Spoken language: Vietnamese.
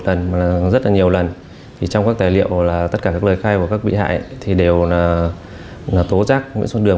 rất là nhiều lần trong các tài liệu là tất cả các lời khai của các bị hại thì đều là tố chắc nguyễn xuân đường